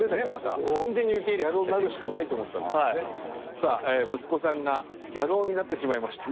さあ息子さんがギャル男になってしまいました。